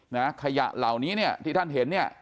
ขยะเหล่านี้เนี่ยที่ท่านเห็นเนี่ย